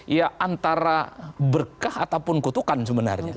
ya antara berkah ataupun kutukan sebenarnya